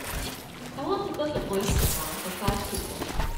I want to book an oyster bar for five people.